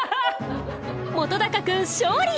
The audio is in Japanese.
本君勝利！